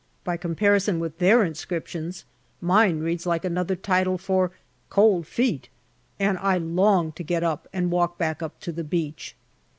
By comparison with their inscriptions, mine reads like another title for " cold feet," and I long to get up and walk back up to the beach.